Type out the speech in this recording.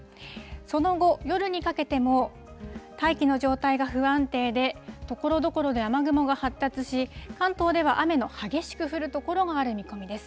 その後、夜にかけても大気の状態が不安定で、ところどころで雨雲が発達し、関東では雨の激しく降る所がある見込みです。